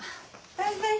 バイバイ。